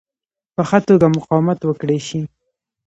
په ښه توګه مقاومت وکړای شي.